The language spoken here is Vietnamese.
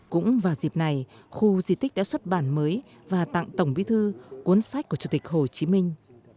cũng vào dịp này khu di tích đã xuất bản mới và tặng tổng bí thư cuốn sách của chủ tịch hồ chí minh